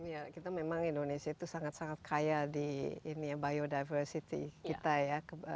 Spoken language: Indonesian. ya kita memang indonesia itu sangat sangat kaya di biodiversity kita ya